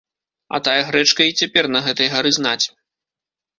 А тая грэчка і цяпер на гэтай гары знаць.